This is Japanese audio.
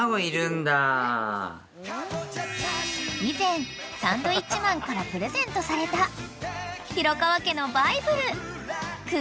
［以前サンドウィッチマンからプレゼントされた］